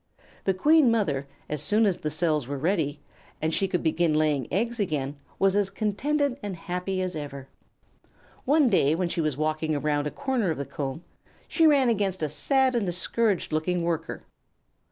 The Queen Mother, as soon as the cells were ready and she could begin laying eggs again, was as contented and happy as ever. One day, when she was walking around a corner of the comb, she ran against a sad and discouraged looking Worker.